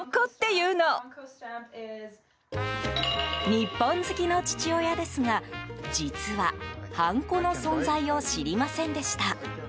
日本好きの父親ですが実は、ハンコの存在を知りませんでした。